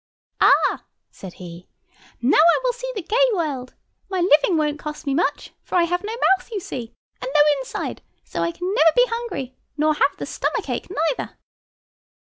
"Ah!" said he, "now I will see the gay world. My living, won't cost me much, for I have no mouth, you see, and no inside; so I can never be hungry nor have the stomach ache neither."